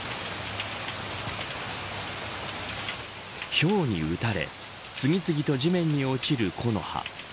ひょうに打たれ次々と地面に落ちる木の葉。